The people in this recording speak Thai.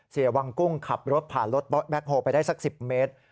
เสียวังกุ้งขับรถผ่านรถแบ็คโฮลไปได้สัก๑๐เมตร